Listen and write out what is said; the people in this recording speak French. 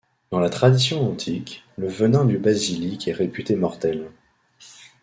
Dans la tradition antique, le venin du basilic est réputé mortel.